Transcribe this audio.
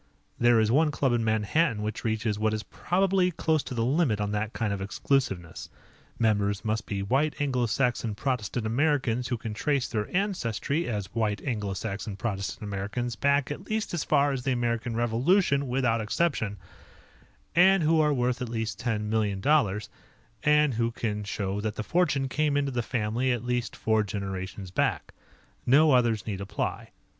There is one club in Manhattan which reaches what is probably close to the limit on that kind of exclusiveness: Members must be white, Anglo Saxon, Protestant Americans who can trace their ancestry as white, Anglo Saxon, Protestant Americans back at least as far as the American Revolution without exception, and who are worth at least ten millions, and who can show that the fortune came into the family at least four generations back. No others need apply.